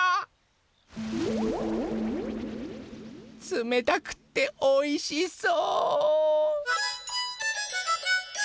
つめたくっておいしそう！